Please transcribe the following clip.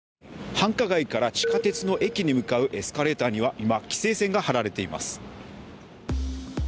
繁華街から地下鉄の駅に向かうエスカレーターには、今、規制線が張られています。